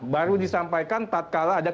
baru disampaikan tak kala ada